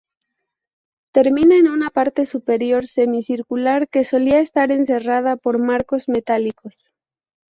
Termina en una parte superior semicircular, que solía estar encerrada por marcos metálicos.